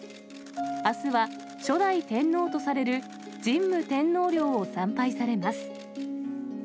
あすは初代天皇とされる神武天皇陵を参拝されます。